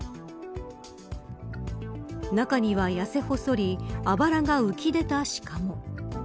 中には、痩せ細りあばらが浮き出たシカも。